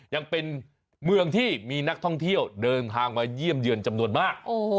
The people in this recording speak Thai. ยังเป็นเมืองที่มีนักท่องเที่ยวเดินทางมาเยี่ยมเยือนจำนวนมาก